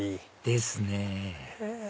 ですね